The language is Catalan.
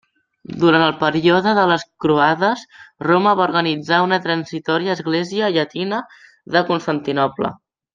Durant el període de les Croades, Roma va organitzar una transitòria Església llatina de Constantinoble.